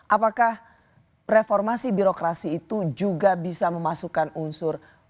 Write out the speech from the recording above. apakah reformasi birokrasi itu juga bisa memasukkan unsur